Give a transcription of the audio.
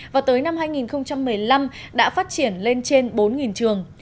và tới năm hai nghìn một mươi năm đã phát triển lên trên bốn trường